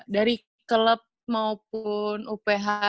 dari klub maupun uph